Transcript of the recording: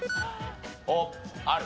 おっある。